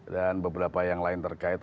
dan beberapa yang lain terkait